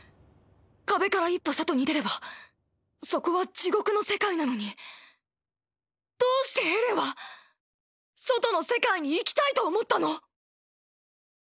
壁から一歩外に出ればそこは地獄の世界なのにどうしてエレンは外の世界に行きたいと思ったの？